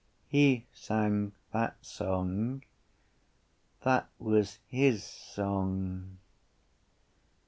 He sang that song. That was his song.